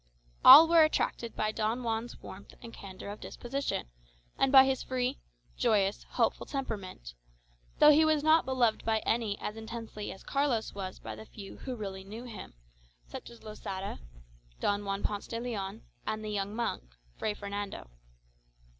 All were attracted by Don Juan's warmth and candour of disposition, and by his free, joyous, hopeful temperament; though he was not beloved by any as intensely as Carlos was by the few who really knew him, such as Losada, Don Juan Ponce de Leon, and the young monk, Fray Fernando.